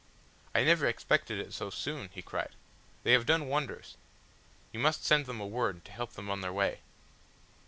"I never expected it so soon," he cried. "They have done wonders. You must send them a word to help them on their way."